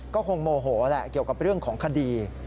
ก็คงโมโหแหละเกี่ยวกับเรื่องของคดี